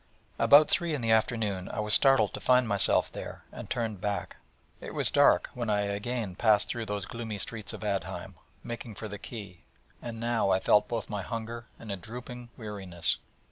About three in the afternoon I was startled to find myself there, and turned back. It was dark when I again passed through those gloomy streets of Aadheim, making for the quay, and now I felt both my hunger and a dropping weariness.